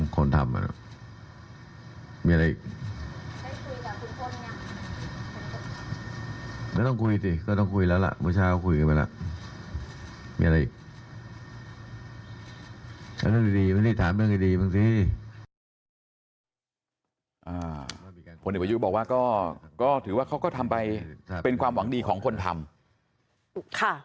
คนเอกประยุทธ์บอกว่าก็ถือว่าเขาก็ทำไปเป็นความหวังดีของคนทำ